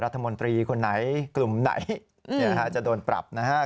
รัฐมนตรีคนไหนกลุ่มไหนจะโดนปรับนะครับ